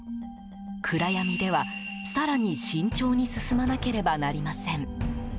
暗闇では更に慎重に進まなければなりません。